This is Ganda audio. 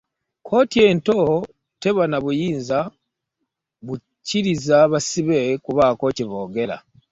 Kkooti ento teba na buyinza bukkiriza basibe kubaako bye boogera.